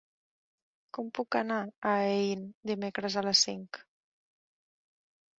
Com puc anar a Aín dimecres a les cinc?